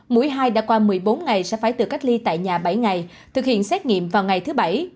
mũi hai đã qua một mươi bốn ngày sẽ phải tự cách ly tại nhà bảy ngày thực hiện xét nghiệm vào ngày thứ bảy